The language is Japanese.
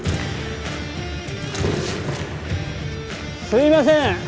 すいません！